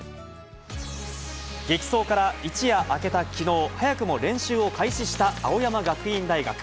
激走から一夜明けたきのう、早くも練習を開始した青山学院大学。